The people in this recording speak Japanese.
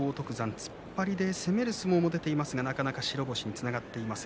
突っ張りで攻める相撲も出ていますが、なかなか白星につながっていません。